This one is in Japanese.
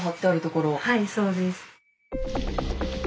はいそうです。